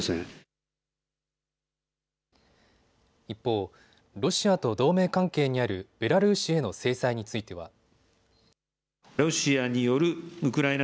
一方、ロシアと同盟関係にあるベラルーシへの制裁については。